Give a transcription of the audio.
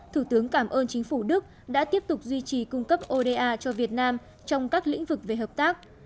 thủ tướng cảm ơn chính phủ đức đã tiếp tục duy trì cung cấp oda cho việt nam trong các lĩnh vực về hợp tác